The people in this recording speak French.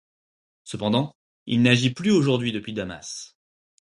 Cependant, il n'agit plus aujourd'hui depuis Damas.